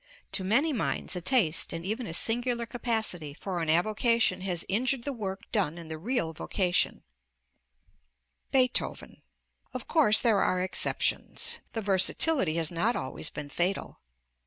To many minds a taste, and even a singular capacity, for an avocation has injured the work done in the real vocation. [Illustration: BEETHOVEN] Of course there are exceptions. The versatility has not always been fatal.